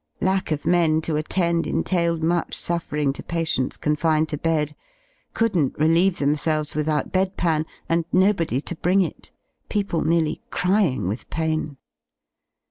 Lack of men to attend entailed much suffering to patients confined to bed; couldn't relieve themselves without bed pan, and nobody to bring it; people nearly crying with pain.